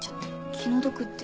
気の毒って？